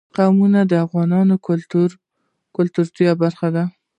قومونه د افغانانو د ګټورتیا برخه ده.